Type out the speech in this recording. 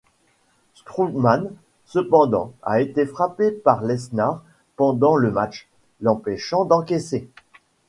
Strowman, cependant, a été frappé par Lesnar pendant le match, l'empêchant d'encaisser.